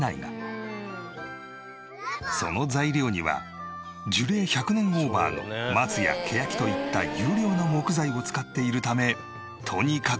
その材料には樹齢１００年オーバーの松や欅といった優良な木材を使っているためとにかく頑丈。